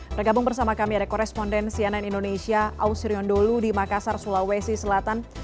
bergabung bersama kami ada koresponden cnn indonesia ausirion dholu di makassar sulawesi selatan